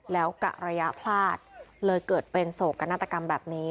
แล้วกะระยะพลาดเลยเกิดเป็นโศกนาฏกรรมแบบนี้